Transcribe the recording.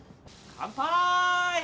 乾杯！